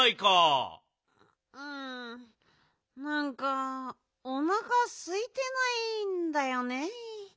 うんなんかおなかすいてないんだよね。